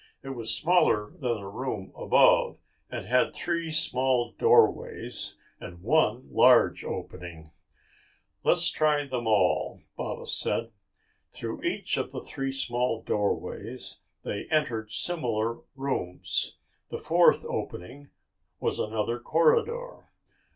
It was smaller than the room above and had three small doorways and one large opening. "Let's try them all," Baba said. Through each of the three small doorways they entered similar rooms. The fourth opening was another corridor.